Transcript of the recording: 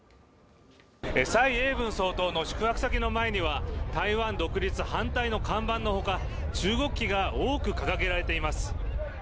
蔡英文総統の宿泊先の前には、「台湾独立反対」の看板のほか、中国旗が多く掲げられています。